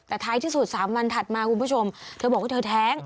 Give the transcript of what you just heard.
แต่ท้ายที่สุด๓วันถัดมาคุณผู้ชมเธอบอกว่าเธอแท้ง